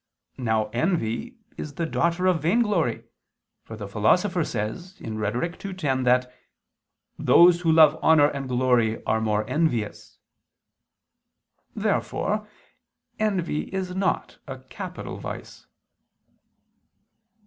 Now envy is the daughter of vainglory; for the Philosopher says (Rhet. ii, 10) that "those who love honor and glory are more envious." Therefore envy is not a capital vice.